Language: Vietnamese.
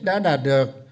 đã đạt được